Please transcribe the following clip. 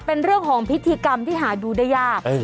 เป็นเรื่องของพิธีกรรมที่หาดูได้ยาก